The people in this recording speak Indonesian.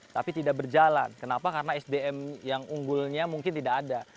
tapi tidak berjalan kenapa karena sdm yang unggulnya mungkin tidak ada